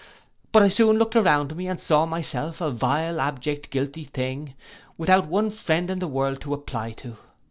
But I soon looked round me, and saw myself a vile, abject, guilty thing, without one friend in the world to apply to.